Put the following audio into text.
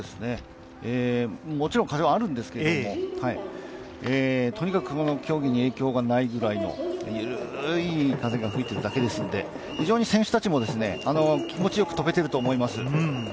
もちろん風はあるんですけどもとにかく、この競技に影響がないぐらいの緩い風が吹いているだけですので非常に選手たちも、気持ちよく飛べていると思います。